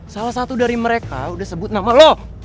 salah satu dari mereka udah sebut nama lob